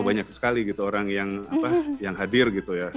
banyak sekali orang yang hadir